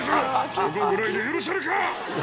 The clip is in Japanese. チョコぐらいで許せるか！」